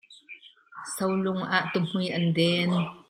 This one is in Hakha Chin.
Solung ah tuhmui an den.